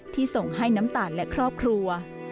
ส่งให้น้ำตาลและครอบครัว